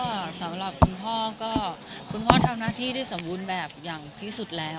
ก็สำหรับคุณพ่อก็คุณพ่อทำหน้าที่ได้สมบูรณ์แบบอย่างที่สุดแล้ว